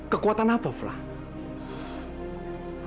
kekuatan apa flan